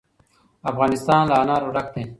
افغانستان له انار ډک دی.